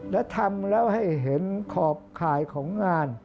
และทำแล้วให้เห็นขอบข่ายของงาน